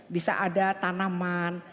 bisa ada tanaman